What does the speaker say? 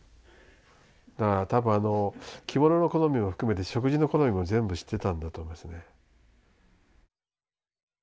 だから多分あの着物の好みも含めて食事の好みも全部知ってたんだと思いますね。